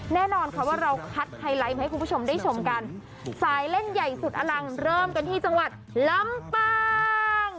แน่นอนค่ะว่าเราคัดไฮไลท์มาให้คุณผู้ชมได้ชมกันสายเล่นใหญ่สุดอลังเริ่มกันที่จังหวัดลำปาง